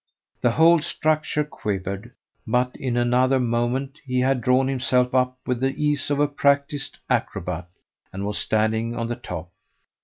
The whole structure quivered, but in another moment he had drawn himself up with the ease of a practised acrobat, and was standing on the top.